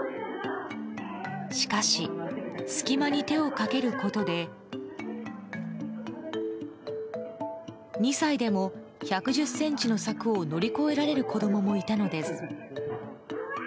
しかし隙間に手をかけることで２歳でも１１０ｃｍの柵を乗り越えられる子供もいたのです。